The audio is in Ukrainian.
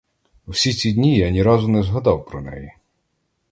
Всі ці дні я ні разу не згадав про неї!